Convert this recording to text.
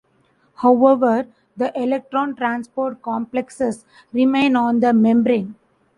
However, the electron transport complexes remain on the membrane.